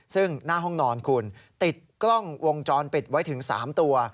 ซึ่งหน้าห้องนอนคุณติดกล้องวงจรปิดไว้ถึง๓ตัว